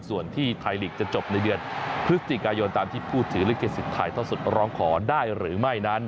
ส่วนที่ไทยลีกจะจบในเดือนพฤศจิกายนตามที่ผู้ถือลิขสิทธิ์ถ่ายทอดสดร้องขอได้หรือไม่นั้น